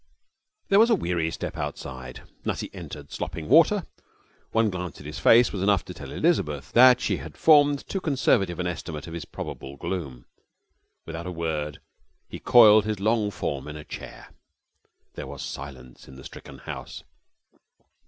There was a weary step outside. Nutty entered, slopping water. One glance at his face was enough to tell Elizabeth that she had formed a too conservative estimate of his probable gloom. Without a word he coiled his long form in a chair. There was silence in the stricken house.